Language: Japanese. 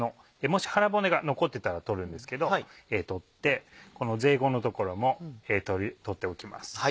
もし腹骨が残ってたら取るんですけど取ってこのゼイゴの所も取っておきます。